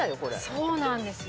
そうなんですよ。